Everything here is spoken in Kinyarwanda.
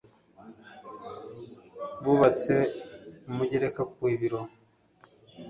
Bubatse umugereka ku biro.